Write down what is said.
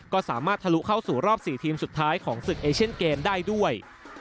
ก็สามารถทะลุเข้าสู่รอบ๔ทีมสุดท้ายของศึกเอเชียนเกมได้ด้วย